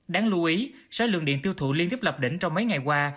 đáng lưu ý sản lượng điện tiêu thụ liên tiếp lập đỉnh trong mấy ngày qua